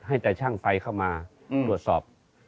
ให้แต่ช่างไฟเข้ามาตรวจสอบ